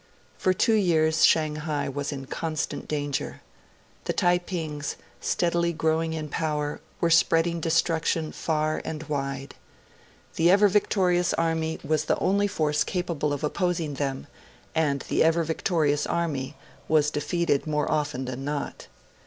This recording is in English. For two years Shanghai was in constant danger. The Taipings, steadily growing in power, were spreading destruction far and wide. The Ever Victorious Army was the only force capable of opposing them, and the Ever Victorious Army was defeated more often than not.